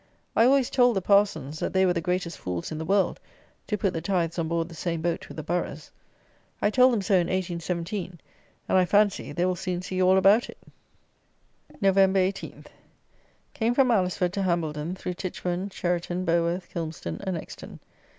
I always told the parsons, that they were the greatest fools in the world to put the tithes on board the same boat with the boroughs. I told them so in 1817; and, I fancy, they will soon see all about it. November 18. Came from Alresford to Hambledon, through Titchbourn, Cheriton, Beauworth, Kilmston, and Exton.